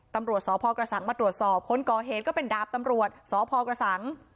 ตำรวจสพกระสังมาตรวจสอบคนก่อเหตุก็เป็นดาบตำรวจสพกระสัง